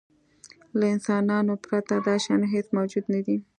له انسانانو پرته دا شیان هېڅ موجود نهدي.